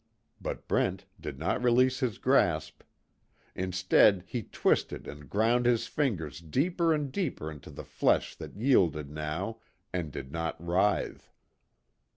But Brent did not release his grasp. Instead he twisted and ground his fingers deeper and deeper into the flesh that yielded now, and did not writhe.